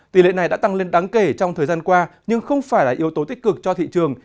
tỷ lệ này đã tăng lên đáng kể trong thời gian qua nhưng không phải là yếu tố tích cực cho thị trường